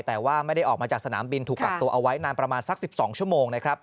แต่ว่าไม่ได้ออกมาจากสนามบินถูกกักตัวเอาไว้นานประมาณสัก๑๒ชั่วโมงนะครับ